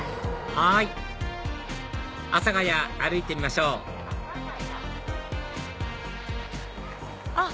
はい阿佐谷歩いてみましょうあっ